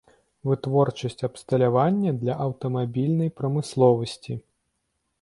Вытворчасць абсталявання для аўтамабільнай прамысловасці.